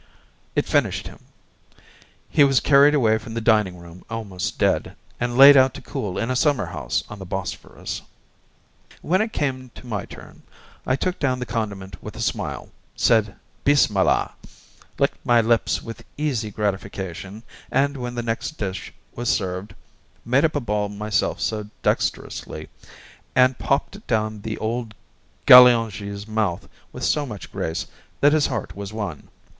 It finished him; he was carried away from the dining room almost dead, and laid out to cool in a summer house on the Bosphorus. When it came to my turn, I took down the condiment with a smile, said 'Bismillah,' licked my lips with easy gratification, and when the next dish was served, made up a ball myself so dexterously, and popped it down the old Galeongee's mouth with so much grace, that his heart was won.